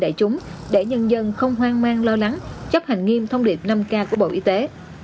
đại chúng để nhân dân không hoang mang lo lắng chấp hành nghiêm thông điệp năm k của bộ y tế